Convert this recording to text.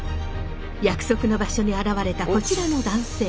約束の場所に現れたこちらの男性。